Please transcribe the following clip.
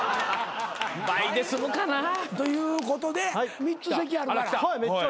倍で済むかな？ということで３つ席あるから。